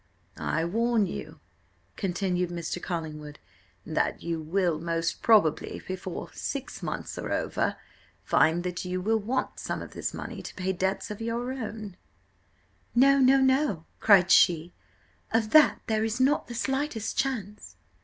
"I warn you," continued Mr. Collingwood, "that you will most probably find before six months are over, that you will want some of this money to pay debts of your own." "No, no, no," cried she; "of that there is not the slightest chance."